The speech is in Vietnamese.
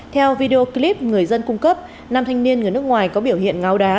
theo video clip người dân cung cấp nam thanh niên người nước ngoài có biểu hiện ngáo đá